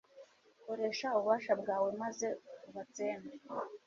koresha ububasha bwawe, maze ubatsembe